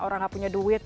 orang gak punya duit